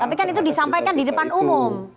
tapi kan itu disampaikan di depan umum